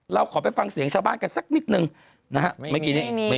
เราขอไปฟังเสียงชาวบ้านกันสักนิดหนึ่งนะฮะ